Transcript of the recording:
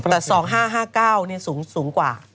แต่๒๕๕๙สูงกว่า